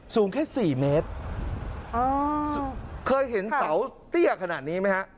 สูงแค่๔เมตรเคยเห็นเสาเตี้ยขนาดนี้ไหมฮะ